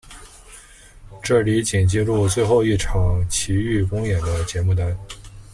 这里仅记录最后一场琦玉公演的节目单。